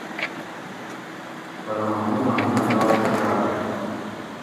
پرہ محموداں مینہ لا چٹاۤر ہوُ